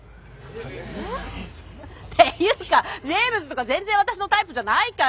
っていうかジェームズとか全然私のタイプじゃないから。